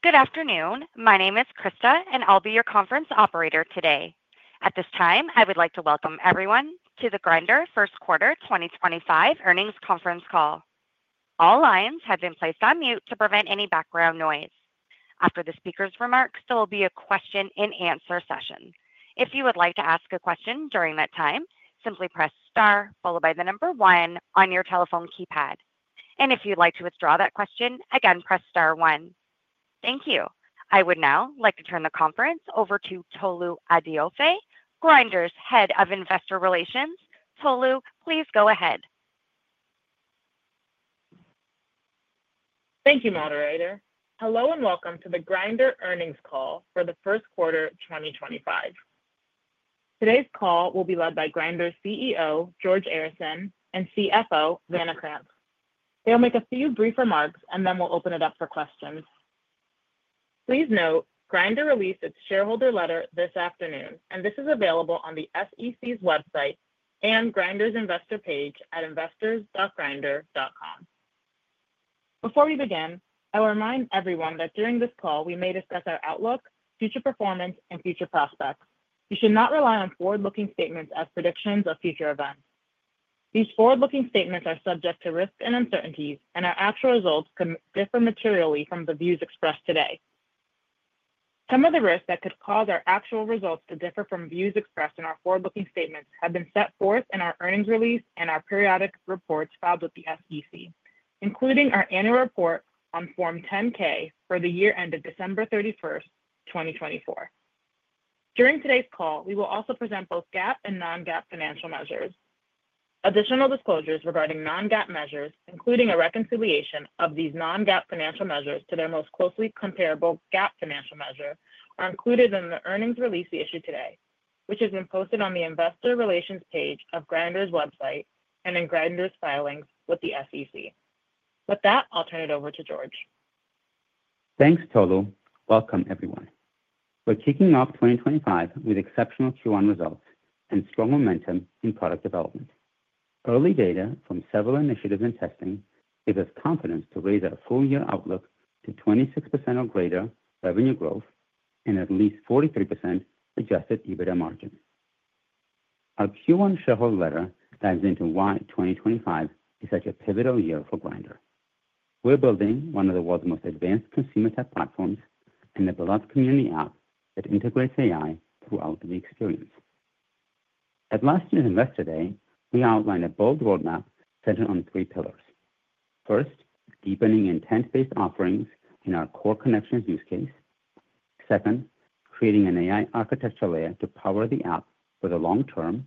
Good afternoon. My name is Krista, and I'll be your conference operator today. At this time, I would like to welcome everyone to the Grindr First Quarter 2025 earnings conference call. All lines have been placed on mute to prevent any background noise. After the speaker's remarks, there will be a question-and-answer session. If you would like to ask a question during that time, simply press star followed by the number one on your telephone keypad. If you'd like to withdraw that question, again, press star one. Thank you. I would now like to turn the conference over to Tolu Adeofe, Grindr's Head of Investor Relations. Tolu, please go ahead. Thank you, moderator. Hello and welcome to the Grindr earnings call for the first quarter 2025. Today's call will be led by Grindr's CEO, George Arison, and CFO, Vanna Krantz. They'll make a few brief remarks, and then we'll open it up for questions. Please note, Grindr released its shareholder letter this afternoon, and this is available on the SEC's website and Grindr's investor page at investors.grindr.com. Before we begin, I will remind everyone that during this call, we may discuss our outlook, future performance, and future prospects. You should not rely on forward-looking statements as predictions of future events. These forward-looking statements are subject to risks and uncertainties, and our actual results can differ materially from the views expressed today. Some of the risks that could cause our actual results to differ from views expressed in our forward-looking statements have been set forth in our earnings release and our periodic reports filed with the SEC, including our annual report on Form 10-K for the year ended December 31, 2024. During today's call, we will also present both GAAP and non-GAAP financial measures. Additional disclosures regarding non-GAAP measures, including a reconciliation of these non-GAAP financial measures to their most closely comparable GAAP financial measure, are included in the earnings release we issued today, which has been posted on the investor relations page of Grindr's website and in Grindr's filings with the SEC. With that, I'll turn it over to George. Thanks, Tolu. Welcome, everyone. We're kicking off 2025 with exceptional Q1 results and strong momentum in product development. Early data from several initiatives and testing give us confidence to raise our full-year outlook to 26% or greater revenue growth and at least 43% adjusted EBITDA margin. Our Q1 shareholder letter dives into why 2025 is such a pivotal year for Grindr. We're building one of the world's most advanced consumer tech platforms and a beloved community app that integrates AI throughout the experience. At last year's Investor Day, we outlined a bold roadmap centered on three pillars. First, deepening intent-based offerings in our core connections use case. Second, creating an AI architecture layer to power the app for the long term.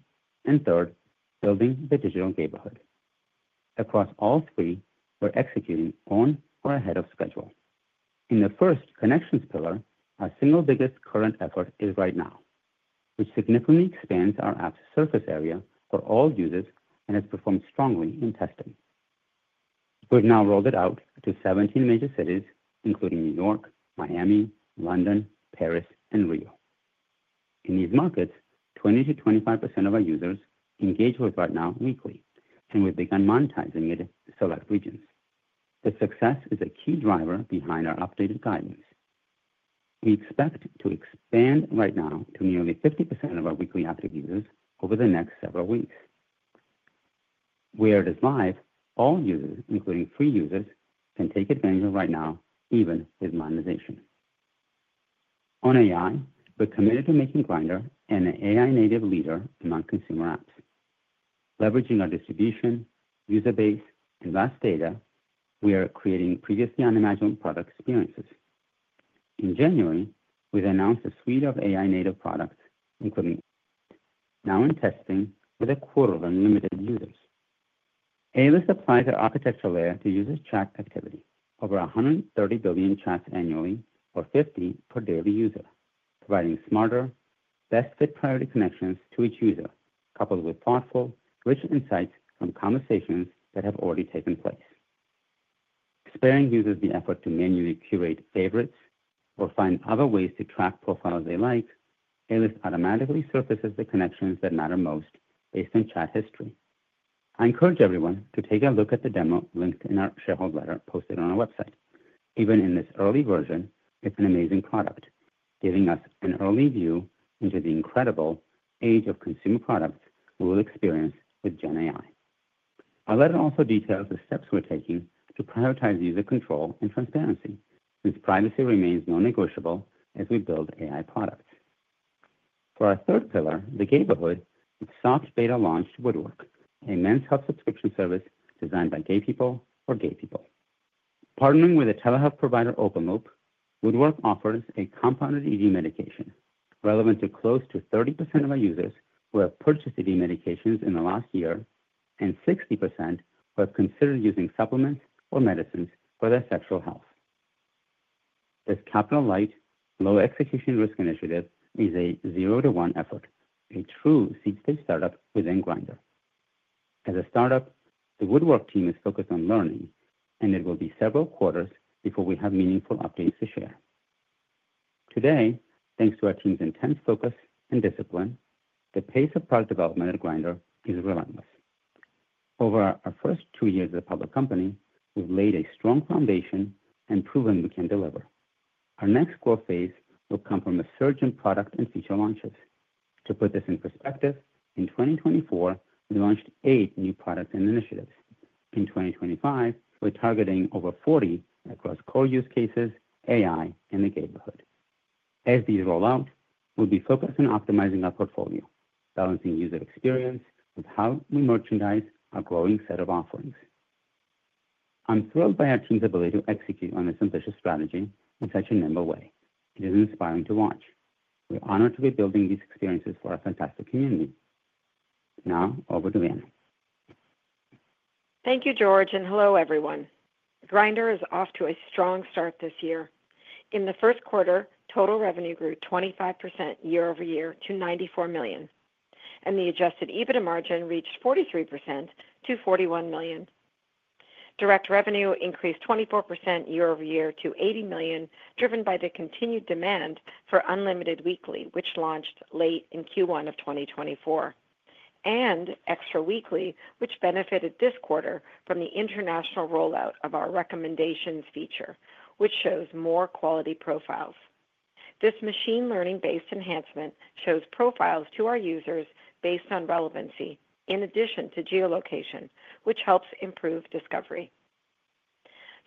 Third, building the digital neighborhood. Across all three, we're executing on or ahead of schedule. In the first connections pillar, our single biggest current effort is RightNow, which significantly expands our app's surface area for all users and has performed strongly in testing. We've now rolled it out to 17 major cities, including New York, Miami, London, Paris, and Rio de Janeiro. In these markets, 20%-25% of our users engage with RightNow weekly, and we've begun monetizing it in select regions. The success is a key driver behind our updated guidance. We expect to expand RightNow to nearly 50% of our weekly active users over the next several weeks. Where it is live, all users, including free users, can take advantage of RightNow, even with monetization. On AI, we're committed to making Grindr an AI-native leader among consumer apps. Leveraging our distribution, user base, and vast data, we are creating previously unimagined product experiences. In January, we've announced a suite of AI-native products, including. Now in testing with a quarter of Unlimited users. A-List applies our architecture layer to user chat activity. Over 130 billion chats annually, or 50 per daily user, providing smarter, best-fit priority connections to each user, coupled with thoughtful, rich insights from conversations that have already taken place. Sparing users the effort to manually curate favorites or find other ways to track profiles they like, A-List automatically surfaces the connections that matter most based on chat history. I encourage everyone to take a look at the demo linked in our shareholder letter posted on our website. Even in this early version, it's an amazing product, giving us an early view into the incredible age of consumer products we will experience with GenAI. Our letter also details the steps we're taking to prioritize user control and transparency, since privacy remains non-negotiable as we build AI products. For our third pillar, the Gayborhood, with soft beta launched Woodwork, a men's health subscription service designed by gay people for gay people. Partnering with a telehealth provider, OpenLoop, Woodwork offers a compounded ED medication relevant to close to 30% of our users who have purchased ED medications in the last year and 60% who have considered using supplements or medicines for their sexual health. This capital-light, low-execution risk initiative is a zero-to-one effort, a true seed-stage startup within Grindr. As a startup, the Woodwork team is focused on learning, and it will be several quarters before we have meaningful updates to share. Today, thanks to our team's intense focus and discipline, the pace of product development at Grindr is relentless. Over our first two years as a public company, we've laid a strong foundation and proven we can deliver. Our next growth phase will come from a surge in product and feature launches. To put this in perspective, in 2024, we launched eight new products and initiatives. In 2025, we're targeting over 40 across core use cases, AI, and the Gayborhood. As these roll out, we'll be focused on optimizing our portfolio, balancing user experience with how we merchandise our growing set of offerings. I'm thrilled by our team's ability to execute on this ambitious strategy in such a nimble way. It is inspiring to watch. We're honored to be building these experiences for our fantastic community. Now, over to Vanna. Thank you, George, and hello, everyone. Grindr is off to a strong start this year. In the first quarter, total revenue grew 25% year-over-year to $94 million, and the adjusted EBITDA margin reached 43% to $41 million. Direct revenue increased 24% year-over-year to $80 million, driven by the continued demand for Unlimited weekly, which launched late in Q1 of 2024, and Extra weekly, which benefited this quarter from the international rollout of our recommendations feature, which shows more quality profiles. This machine learning-based enhancement shows profiles to our users based on relevancy, in addition to geolocation, which helps improve discovery.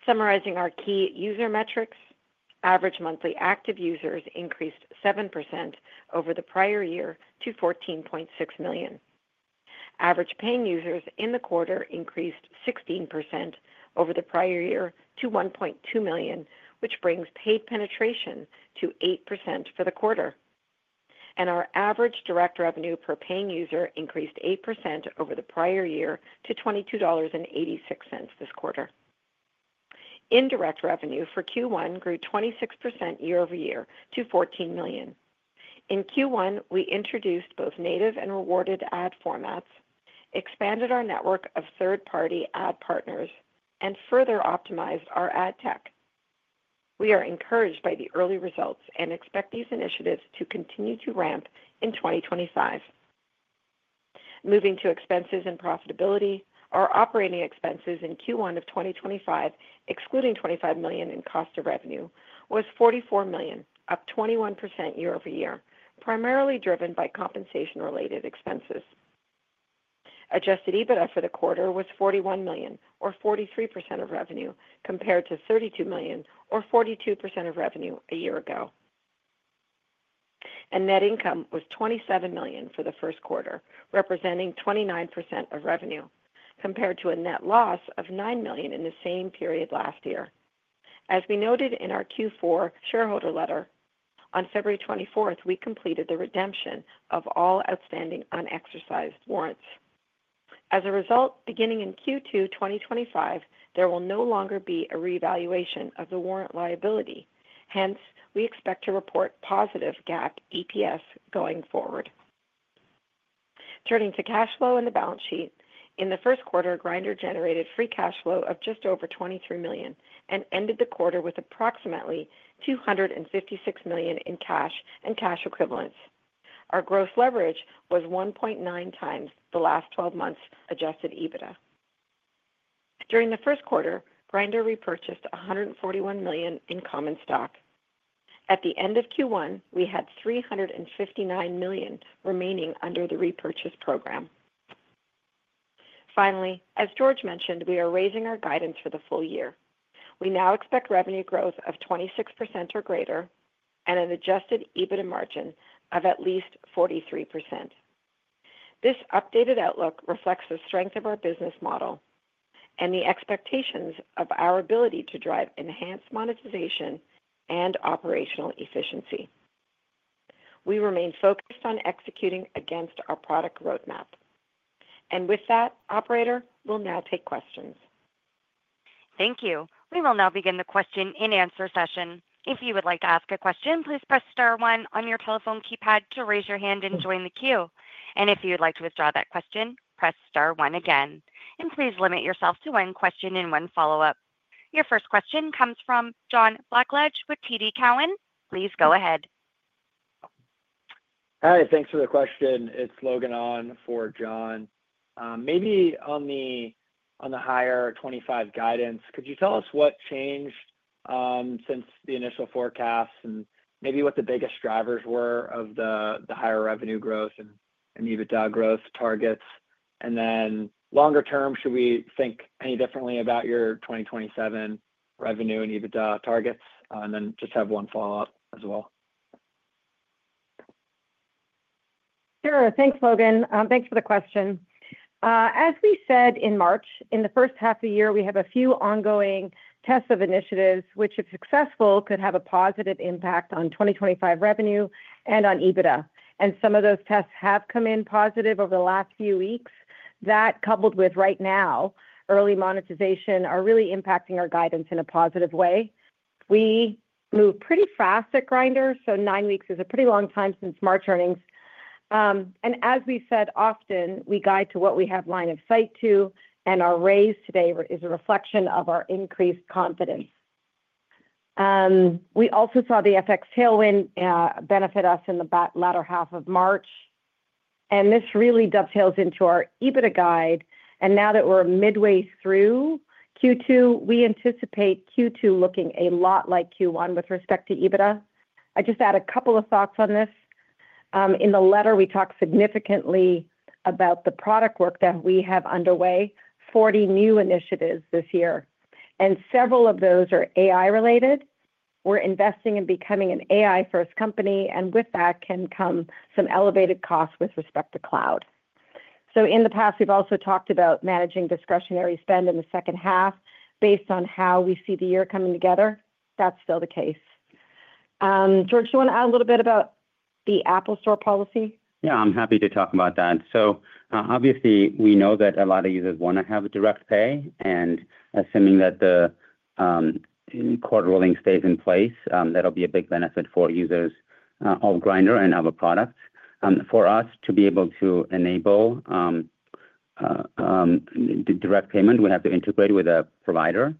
Summarizing our key user metrics, average monthly active users increased 7% over the prior year to 14.6 million. Average paying users in the quarter increased 16% over the prior year to 1.2 million, which brings paid penetration to 8% for the quarter. Our average direct revenue per paying user increased 8% over the prior year to $22.86 this quarter. Indirect revenue for Q1 grew 26% year-over-year to $14 million. In Q1, we introduced both native and rewarded ad formats, expanded our network of third-party ad partners, and further optimized our ad tech. We are encouraged by the early results and expect these initiatives to continue to ramp in 2025. Moving to expenses and profitability, our operating expenses in Q1 of 2025, excluding $25 million in cost of revenue, was $44 million, up 21% year-over-year, primarily driven by compensation-related expenses. Adjusted EBITDA for the quarter was $41 million, or 43% of revenue, compared to $32 million, or 42% of revenue a year ago. Net income was $27 million for the first quarter, representing 29% of revenue, compared to a net loss of $9 million in the same period last year. As we noted in our Q4 shareholder letter, on February 24th, we completed the redemption of all outstanding unexercised warrants. As a result, beginning in Q2 2025, there will no longer be a reevaluation of the warrant liability. Hence, we expect to report positive GAAP EPS going forward. Turning to cash flow and the balance sheet, in the first quarter, Grindr generated free cash flow of just over $23 million and ended the quarter with approximately $256 million in cash and cash equivalents. Our gross leverage was 1.9 times the last 12 months' adjusted EBITDA. During the first quarter, Grindr repurchased $141 million in common stock. At the end of Q1, we had $359 million remaining under the repurchase program. Finally, as George mentioned, we are raising our guidance for the full year. We now expect revenue growth of 26% or greater and an adjusted EBITDA margin of at least 43%. This updated outlook reflects the strength of our business model and the expectations of our ability to drive enhanced monetization and operational efficiency. We remain focused on executing against our product roadmap. With that, operator, we'll now take questions. Thank you. We will now begin the question-and-answer session. If you would like to ask a question, please press star one on your telephone keypad to raise your hand and join the queue. If you'd like to withdraw that question, press star one again. Please limit yourself to one question and one follow-up. Your first question comes from John Blackledge with TD Cowen. Please go ahead. Hi, thanks for the question. It's Logan Ahn for John. Maybe on the higher 2025 guidance, could you tell us what changed since the initial forecast and maybe what the biggest drivers were of the higher revenue growth and EBITDA growth targets? Longer term, should we think any differently about your 2027 revenue and EBITDA targets? I just have one follow-up as well. Sure. Thanks, Logan. Thanks for the question. As we said in March, in the first half of the year, we have a few ongoing tests of initiatives which, if successful, could have a positive impact on 2025 revenue and on EBITDA. Some of those tests have come in positive over the last few weeks. That, coupled with RightNow early monetization, are really impacting our guidance in a positive way. We move pretty fast at Grindr, so nine weeks is a pretty long time since March earnings. As we said, often we guide to what we have line of sight to, and our raise today is a reflection of our increased confidence. We also saw the FX tailwind benefit us in the latter half of March. This really dovetails into our EBITDA guide. Now that we're midway through Q2, we anticipate Q2 looking a lot like Q1 with respect to EBITDA. I just add a couple of thoughts on this. In the letter, we talked significantly about the product work that we have underway, 40 new initiatives this year. Several of those are AI-related. We're investing in becoming an AI-first company. With that can come some elevated costs with respect to cloud. In the past, we've also talked about managing discretionary spend in the second half based on how we see the year coming together. That's still the case. George, do you want to add a little bit about the Apple Store policy? Yeah, I'm happy to talk about that. Obviously, we know that a lot of users want to have direct pay. Assuming that the court ruling stays in place, that'll be a big benefit for users of Grindr and of our products. For us to be able to enable direct payment, we have to integrate with a provider.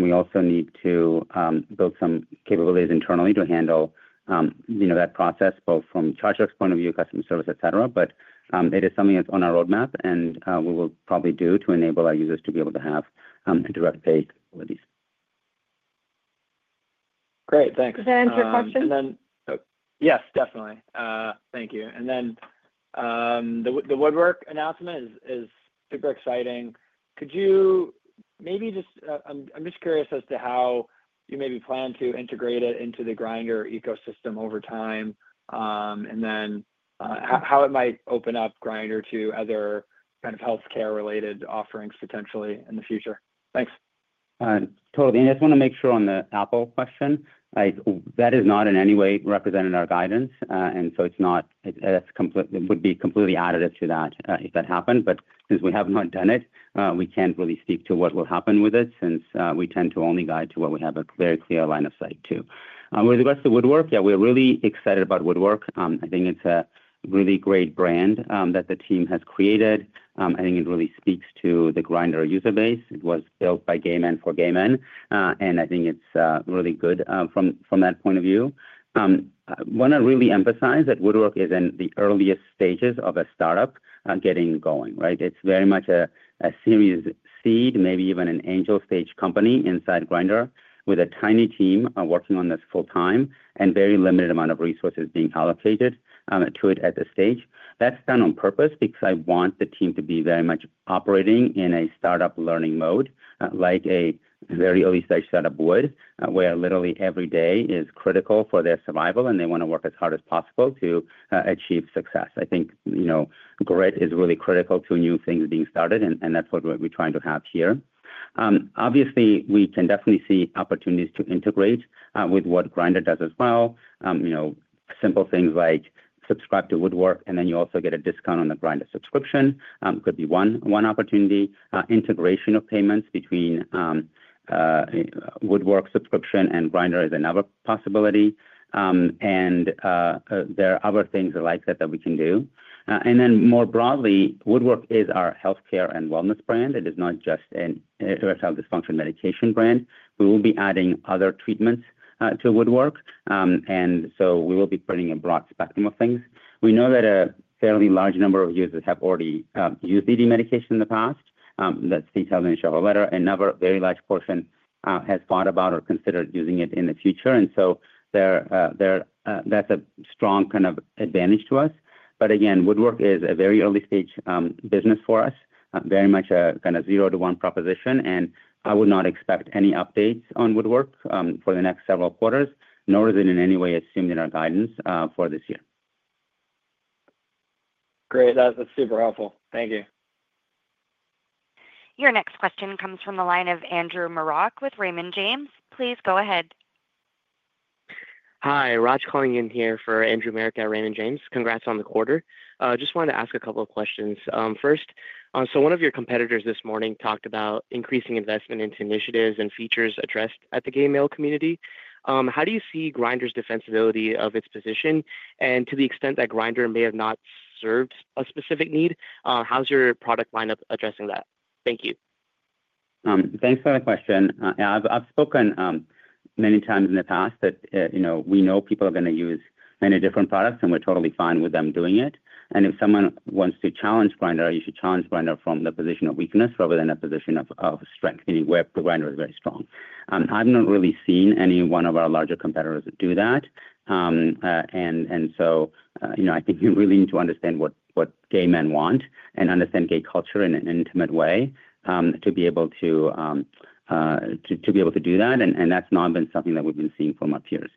We also need to build some capabilities internally to handle that process, both from ChargeLog's point of view, customer service, et cetera. It is something that's on our roadmap and we will probably do to enable our users to be able to have direct pay capabilities. Great. Thanks. Does that answer your question? Yes, definitely. Thank you. The Woodwork announcement is super exciting. Could you maybe just, I'm just curious as to how you maybe plan to integrate it into the Grindr ecosystem over time and then how it might open up Grindr to other kind of healthcare-related offerings potentially in the future. Thanks. Totally. I just want to make sure on the Apple question, that is not in any way represented in our guidance. It would be completely additive to that if that happened. Since we have not done it, we cannot really speak to what will happen with it since we tend to only guide to what we have a very clear line of sight to. With regards to Woodwork, yeah, we are really excited about Woodwork. I think it is a really great brand that the team has created. I think it really speaks to the Grindr user base. It was built by gay men for gay men. I think it is really good from that point of view. I want to really emphasize that Woodwork is in the earliest stages of a startup getting going. It's very much a series seed, maybe even an angel stage company inside Grindr with a tiny team working on this full time and very limited amount of resources being allocated to it at this stage. That's done on purpose because I want the team to be very much operating in a startup learning mode like a very early stage startup would, where literally every day is critical for their survival and they want to work as hard as possible to achieve success. I think grit is really critical to new things being started, and that's what we're trying to have here. Obviously, we can definitely see opportunities to integrate with what Grindr does as well. Simple things like subscribe to Woodwork and then you also get a discount on the Grindr subscription could be one opportunity. Integration of payments between Woodwork subscription and Grindr is another possibility. There are other things like that that we can do. More broadly, Woodwork is our healthcare and wellness brand. It is not just an erectile dysfunction medication brand. We will be adding other treatments to Woodwork. We will be printing a broad spectrum of things. We know that a fairly large number of users have already used ED medication in the past. That is detailed in the shareholder letter. Another very large portion has thought about or considered using it in the future. That is a strong kind of advantage to us. Woodwork is a very early stage business for us, very much a kind of zero-to-one proposition. I would not expect any updates on Woodwork for the next several quarters, nor is it in any way assumed in our guidance for this year. Great. That's super helpful. Thank you. Your next question comes from the line of Andrew Marok with Raymond James. Please go ahead. Hi, Raj calling in here for Andrew Marok at Raymond James. Congrats on the quarter. Just wanted to ask a couple of questions. First, so one of your competitors this morning talked about increasing investment into initiatives and features addressed at the gay male community. How do you see Grindr's defensibility of its position? And to the extent that Grindr may have not served a specific need, how's your product lineup addressing that? Thank you. Thanks for the question. I've spoken many times in the past that we know people are going to use many different products, and we're totally fine with them doing it. If someone wants to challenge Grindr, you should challenge Grindr from the position of weakness rather than a position of strength, meaning where Grindr is very strong. I've not really seen any one of our larger competitors do that. I think you really need to understand what gay men want and understand gay culture in an intimate way to be able to do that. That's not been something that we've been seeing from our peers.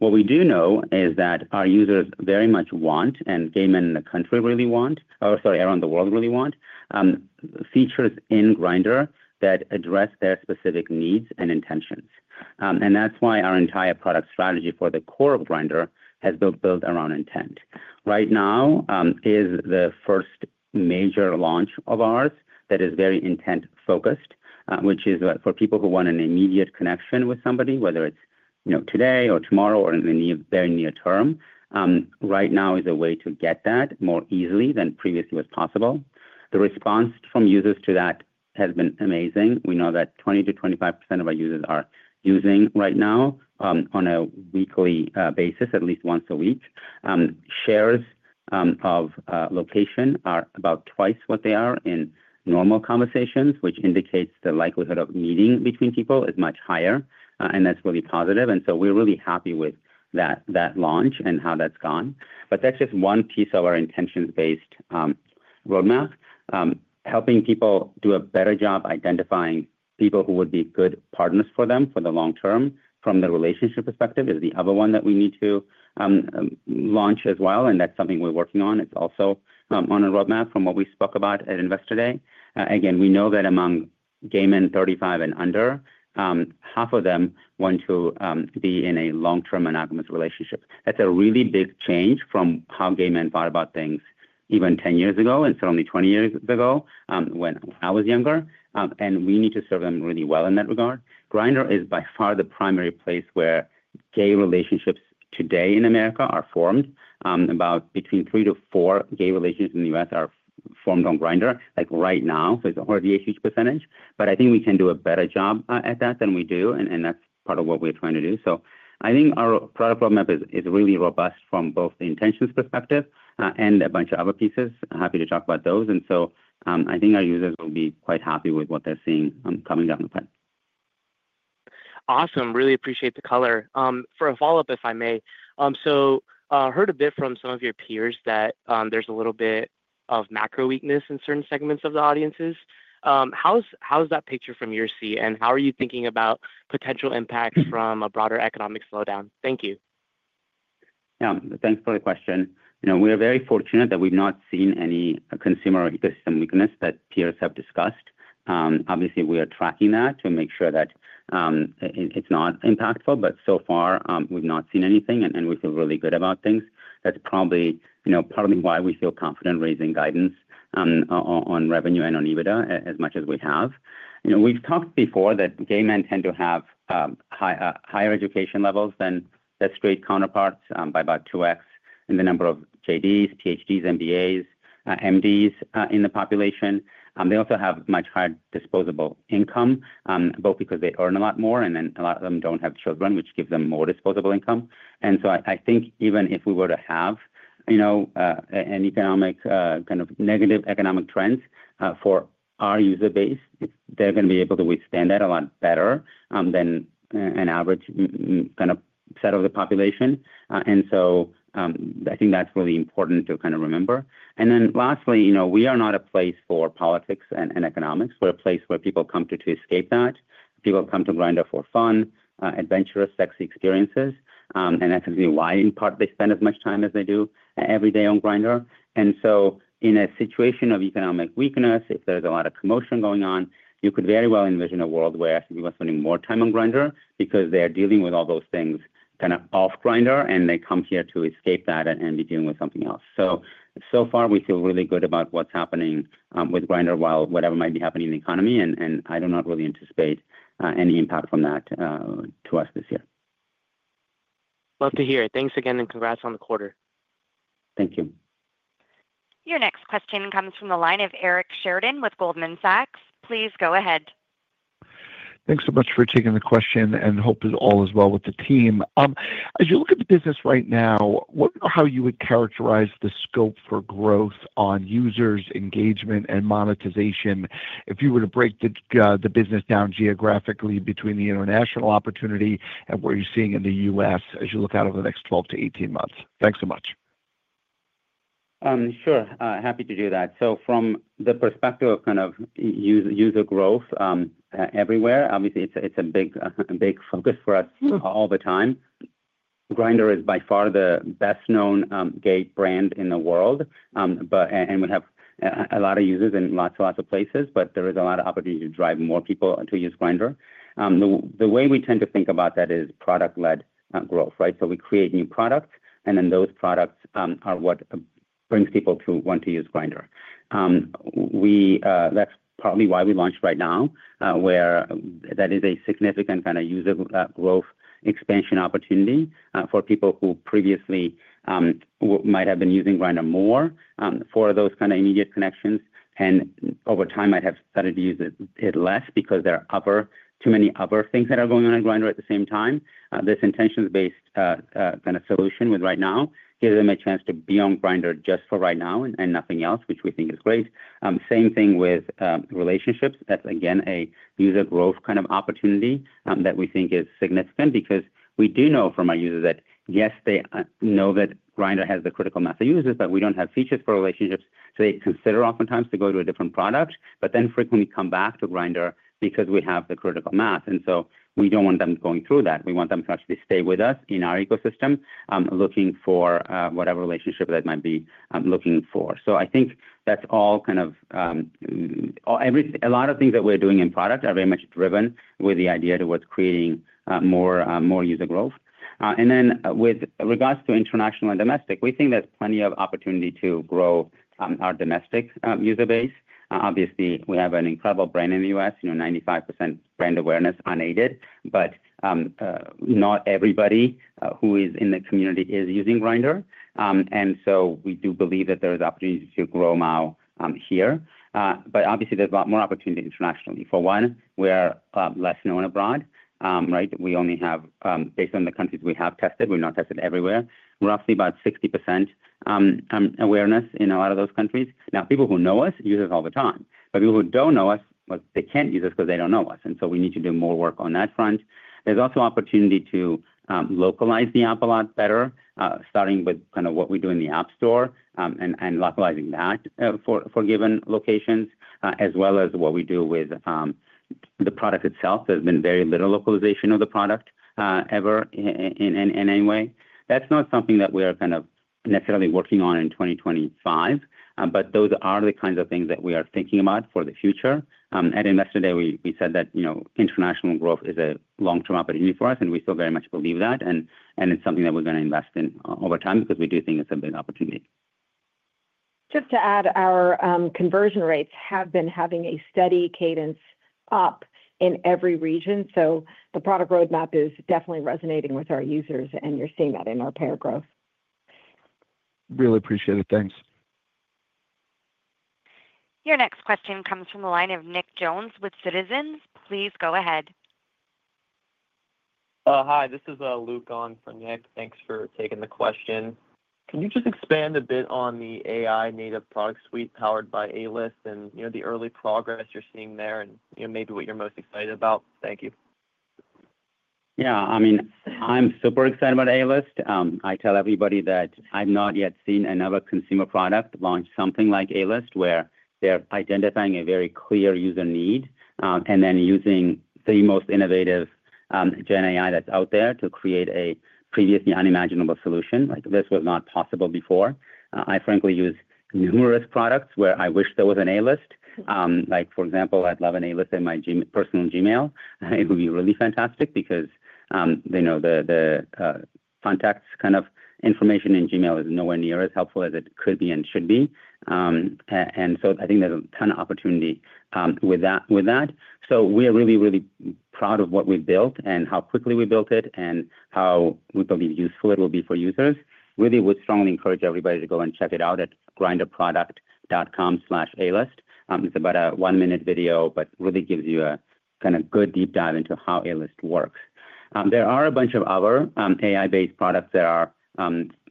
What we do know is that our users very much want, and gay men in the country really want, or sorry, around the world really want, features in Grindr that address their specific needs and intentions. Our entire product strategy for the core of Grindr has been built around intent. Right Now is the first major launch of ours that is very intent-focused, which is for people who want an immediate connection with somebody, whether it is today or tomorrow or in the very near term. Right Now is a way to get that more easily than previously was possible. The response from users to that has been amazing. We know that 20%-25% of our users are using Right Now on a weekly basis, at least once a week. Shares of location are about twice what they are in normal conversations, which indicates the likelihood of meeting between people is much higher. That is really positive. We are really happy with that launch and how that has gone. That is just one piece of our intentions-based roadmap. Helping people do a better job identifying people who would be good partners for them for the long term from the relationship perspective is the other one that we need to launch as well. That is something we're working on. It is also on a roadmap from what we spoke about at Investor Day. Again, we know that among gay men 35 and under, half of them want to be in a long-term monogamous relationship. That is a really big change from how gay men thought about things even 10 years ago and certainly 20 years ago when I was younger. We need to serve them really well in that regard. Grindr is by far the primary place where gay relationships today in the U.S. are formed. About between three to four gay relationships in the U.S. are formed on Grindr right now. It is already a huge percentage. I think we can do a better job at that than we do. That is part of what we're trying to do. I think our product roadmap is really robust from both the intentions perspective and a bunch of other pieces. Happy to talk about those. I think our users will be quite happy with what they're seeing coming down the pipe. Awesome. Really appreciate the color. For a follow-up, if I may, I heard a bit from some of your peers that there's a little bit of macro weakness in certain segments of the audiences. How's that picture from your seat? And how are you thinking about potential impacts from a broader economic slowdown? Thank you. Yeah, thanks for the question. We are very fortunate that we've not seen any consumer ecosystem weakness that peers have discussed. Obviously, we are tracking that to make sure that it's not impactful. So far, we've not seen anything. We feel really good about things. That's probably partly why we feel confident raising guidance on revenue and on EBITDA as much as we have. We've talked before that gay men tend to have higher education levels than their straight counterparts by about 2x in the number of JDs, PhDs, MBAs, MDs in the population. They also have much higher disposable income, both because they earn a lot more and then a lot of them don't have children, which gives them more disposable income. I think even if we were to have an economic kind of negative economic trends for our user base, they're going to be able to withstand that a lot better than an average kind of set of the population. I think that's really important to kind of remember. Lastly, we are not a place for politics and economics. We're a place where people come to escape that. People come to Grindr for fun, adventurous, sexy experiences. That's actually why in part they spend as much time as they do every day on Grindr. In a situation of economic weakness, if there is a lot of commotion going on, you could very well envision a world where people are spending more time on Grindr because they are dealing with all those things kind of off Grindr, and they come here to escape that and be dealing with something else. So far, we feel really good about what is happening with Grindr while whatever might be happening in the economy. I do not really anticipate any impact from that to us this year. Love to hear it. Thanks again and congrats on the quarter. Thank you. Your next question comes from the line of Eric Sheridan with Goldman Sachs. Please go ahead. Thanks so much for taking the question. I hope all is well with the team. As you look at the business right now, how would you characterize the scope for growth on users, engagement, and monetization if you were to break the business down geographically between the international opportunity and what you're seeing in the U.S. as you look out over the next 12 to 18 months? Thanks so much. Sure. Happy to do that. From the perspective of kind of user growth everywhere, obviously, it's a big focus for us all the time. Grindr is by far the best-known gay brand in the world. We have a lot of users in lots of places, but there is a lot of opportunity to drive more people to use Grindr. The way we tend to think about that is product-led growth. We create new products, and then those products are what brings people to want to use Grindr. That's partly why we launched RightNow, where that is a significant kind of user growth expansion opportunity for people who previously might have been using Grindr more for those kind of immediate connections. Over time, might have started to use it less because there are too many other things that are going on at Grindr at the same time. This intentions-based kind of solution with RightNow gives them a chance to be on Grindr just for RightNow and nothing else, which we think is great. Same thing with relationships. That's again a user growth kind of opportunity that we think is significant because we do know from our users that, yes, they know that Grindr has the critical mass of users, but we do not have features for relationships. They consider oftentimes to go to a different product, but then frequently come back to Grindr because we have the critical mass. We do not want them going through that. We want them to actually stay with us in our ecosystem looking for whatever relationship they might be looking for. I think that's all kind of a lot of things that we're doing in product are very much driven with the idea towards creating more user growth. And then with regards to international and domestic, we think there's plenty of opportunity to grow our domestic user base. Obviously, we have an incredible brand in the U.S., 95% brand awareness unaided, but not everybody who is in the community is using Grindr. We do believe that there is opportunity to grow now here. Obviously, there's a lot more opportunity internationally. For one, we are less known abroad. We only have, based on the countries we have tested, we've not tested everywhere, roughly about 60% awareness in a lot of those countries. People who know us use us all the time. People who don't know us, they can't use us because they don't know us. We need to do more work on that front. There is also opportunity to localize the app a lot better, starting with kind of what we do in the App Store and localizing that for given locations, as well as what we do with the product itself. There has been very little localization of the product ever in any way. That is not something that we are kind of necessarily working on in 2025, but those are the kinds of things that we are thinking about for the future. At Investor Day, we said that international growth is a long-term opportunity for us, and we still very much believe that. It is something that we are going to invest in over time because we do think it is a big opportunity. Just to add, our conversion rates have been having a steady cadence up in every region. The product roadmap is definitely resonating with our users, and you're seeing that in our payer growth. Really appreciate it. Thanks. Your next question comes from the line of Nick Jones with Citizens JMP. Please go ahead. Hi, this is Luke on for Nick. Thanks for taking the question. Can you just expand a bit on the AI native product suite powered by A-List and the early progress you're seeing there and maybe what you're most excited about? Thank you. Yeah. I mean, I'm super excited about A-List. I tell everybody that I've not yet seen another consumer product launch something like A-List where they're identifying a very clear user need and then using the most innovative GenAI that's out there to create a previously unimaginable solution. This was not possible before. I frankly use numerous products where I wish there was an A-List. For example, I'd love an A-List in my personal Gmail. It would be really fantastic because the contacts kind of information in Gmail is nowhere near as helpful as it could be and should be. I think there's a ton of opportunity with that. We are really, really proud of what we've built and how quickly we built it and how we believe useful it will be for users. Really, we strongly encourage everybody to go and check it out at grindrproduct.com/alist. It's about a one-minute video, but really gives you a kind of good deep dive into how A-List works. There are a bunch of other AI-based products that are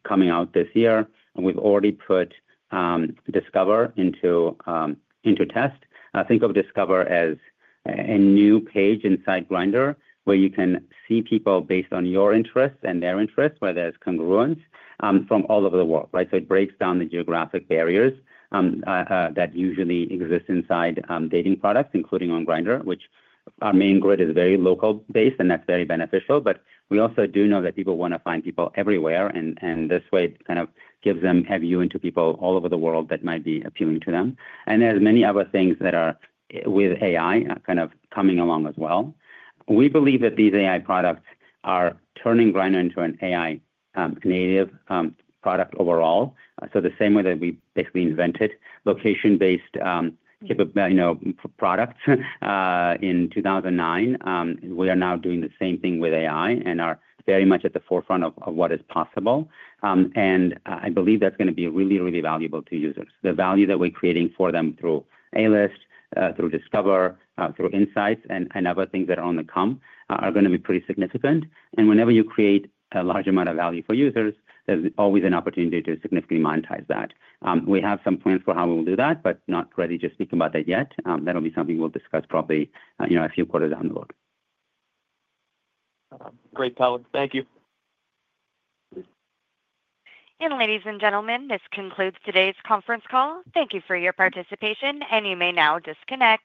coming out this year. We've already put Discover into test. Think of Discover as a new page inside Grindr where you can see people based on your interests and their interests, where there's congruence from all over the world. It breaks down the geographic barriers that usually exist inside dating products, including on Grindr, which our main grid is very local-based, and that's very beneficial. We also do know that people want to find people everywhere. This way, it kind of gives them a view into people all over the world that might be appealing to them. There are many other things that are with AI kind of coming along as well. We believe that these AI products are turning Grindr into an AI-native product overall. The same way that we basically invented location-based products in 2009, we are now doing the same thing with AI and are very much at the forefront of what is possible. I believe that's going to be really, really valuable to users. The value that we're creating for them through A-List, through Discover, through Insights, and other things that are on the come are going to be pretty significant. Whenever you create a large amount of value for users, there's always an opportunity to significantly monetize that. We have some plans for how we will do that, but not ready to speak about that yet. That'll be something we'll discuss probably a few quarters down the road. Great, Palin. Thank you. Ladies and gentlemen, this concludes today's conference call. Thank you for your participation, and you may now disconnect.